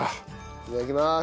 いただきます！